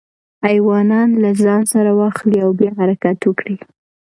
ایوانان له ځان سره واخلئ او بیا حرکت وکړئ.